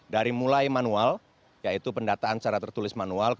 dari mulai manual yaitu pendataan secara tertulis manual